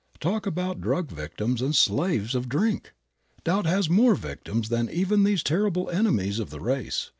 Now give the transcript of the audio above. Talk about drug victims and slaves of drink! Doubt has more victims than even these terrible enemies of the race.